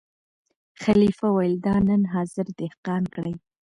خلیفه ویل دا نن حاضر دهقان کړی